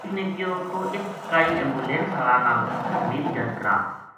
حینف نے کہیو توہ اِت کائی ایمبولینس ہالا نال میری گل کرا